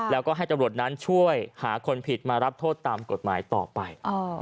แล้วก็ให้ตำรวจนั้นช่วยหาคนผิดมารับโทษตามกฎหมายต่อไป